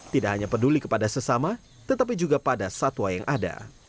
tidak hanya peduli kepada sesama tetapi juga pada satwa yang ada